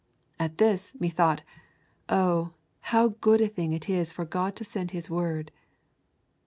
At this, methought: Oh, how good a thing it is for God to send His word!